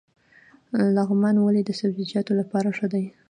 لغمان ولې د سبزیجاتو لپاره ښه دی؟